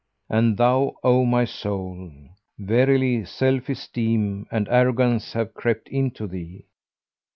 And thou, O my soul, verily self esteem and arrogance have crept into thee.